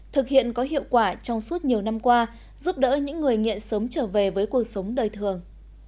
thực hiện có hiệu quả trong suốt nhiều năm qua giúp đỡ những người nghiện sớm trở về với cuộc sống đời thường